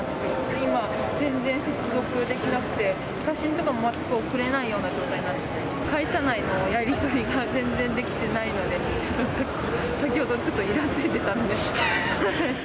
今、全然接続できなくて、写真とかも全く送れないような状態になってて、会社内のやり取りが全然できていないので、先ほどちょっといらついてたんで。